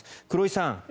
黒井さん